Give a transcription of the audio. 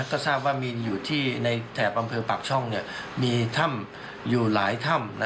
ก็ทราบว่ามีอยู่ที่ในแถบอำเภอปากช่องมีถ้ำอยู่หลายถ้ำ